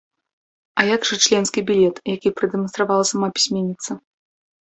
А як жа членскі білет, які прадэманстравала сама пісьменніца?